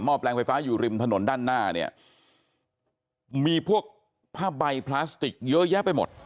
แปลงไฟฟ้าอยู่ริมถนนด้านหน้าเนี่ยมีพวกผ้าใบพลาสติกเยอะแยะไปหมด